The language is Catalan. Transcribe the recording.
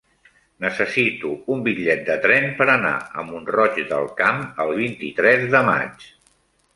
Necessito un bitllet de tren per anar a Mont-roig del Camp el vint-i-tres de maig.